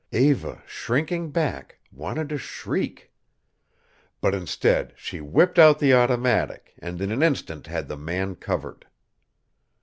Eva, shrinking back, wanted to shriek. But instead she whipped out the automatic and in an instant had the man covered.